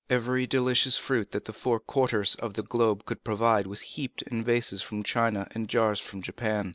Every delicious fruit that the four quarters of the globe could provide was heaped in vases from China and jars from Japan.